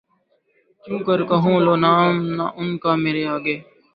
کیوں کر کہوں لو نام نہ ان کا مرے آگے